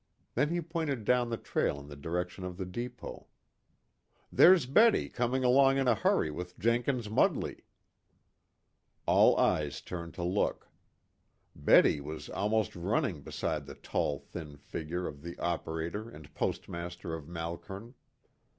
Then he pointed down the trail in the direction of the depot. "There's Betty coming along in a hurry with Jenkins Mudley." All eyes turned to look. Betty was almost running beside the tall thin figure of the operator and postmaster of Malkern.